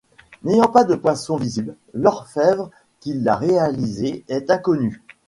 N'ayant pas de poinçons visibles, l'orfèvre qui l'a réalisé est inconnu.